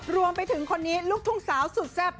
รวมไปถึงคนนี้ลูกทุ่งสาวสุดแซ่บ